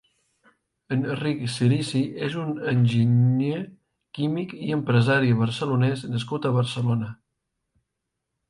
Enric Cirici és un enginyer químic i empresari barcelonès nascut a Barcelona.